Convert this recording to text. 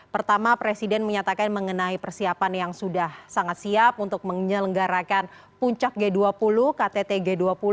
pertama presiden menyatakan mengenai persiapan yang sudah sangat siap untuk menyelenggarakan puncak g dua puluh ktt g dua puluh